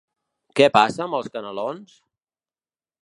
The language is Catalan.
Què passa amb els canelons?